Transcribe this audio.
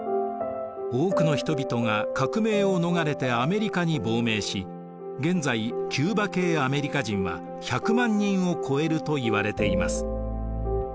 多くの人々が革命を逃れてアメリカに亡命し現在キューバ系アメリカ人は１００万人を超えるといわれています。